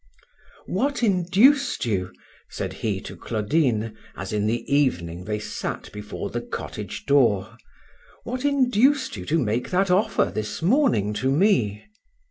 "What induced you," said he to Claudine, as in the evening they sat before the cottage door, "what induced you to make that offer this morning to me?"